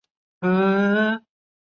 成为皇帝之下的最高统治集团。